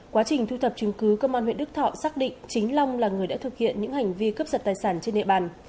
quá trình thu thập chứng cứ công an huyện đức thọ xác định chính long là người đã thực hiện những hành vi cướp giật tài sản trên địa bàn